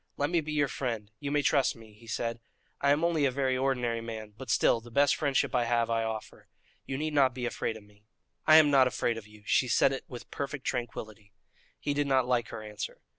"Let me be your friend; you may trust me," he said. "I am only a very ordinary man; but still, the best friendship I have I offer. You need not be afraid of me." "I am not afraid of you." She said it with perfect tranquillity. He did not like her answer.